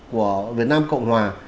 của việt nam cộng hòa